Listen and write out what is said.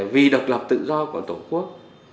vì độc lập tự do của tổ quốc